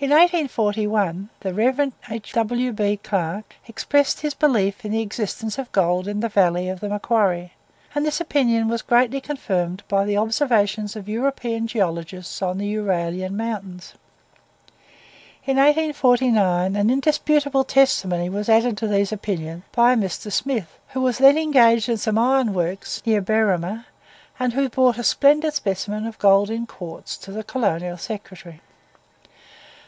In 1841 the Rev. W. B. Clarke expressed his belief in the existence of gold in the valley of the Macquarie, and this opinion was greatly confirmed by the observations of European geologists on the Uralian Mountains. In 1849 an indisputable testimony was added to these opinions by a Mr. Smith, who was then engaged in some iron works, near Berrima, and who brought a splendid specimen of gold in quartz to the Colonial Secretary.